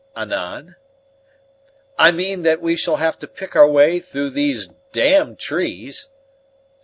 "Anan?" "I mean that we shall have to pick our way through these damned trees."